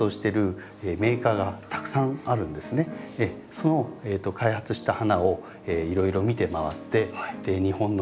その開発した花をいろいろ見て回って日本の環境